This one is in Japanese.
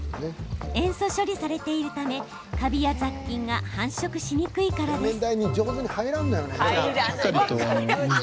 塩素処理されているためカビや雑菌が繁殖しにくいからです。